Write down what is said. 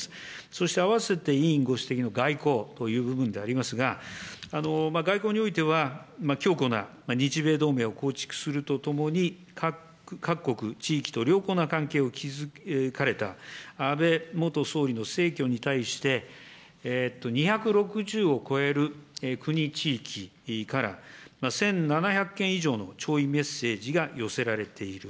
そして併せて委員ご指摘の外交という部分でありますが、外交においては、強固な日米同盟を構築するとともに、各国地域と良好な関係を築かれた安倍元総理の逝去に対して、２６０を超える国・地域から、１７００件以上の弔意メッセージが寄せられている。